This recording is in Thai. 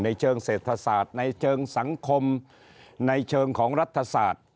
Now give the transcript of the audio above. เชิงเศรษฐศาสตร์ในเชิงสังคมในเชิงของรัฐศาสตร์